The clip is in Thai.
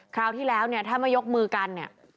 คราวที่แล้วถ้าไม่ยกมือกัน